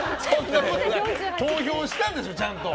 投票したんでしょ、ちゃんと。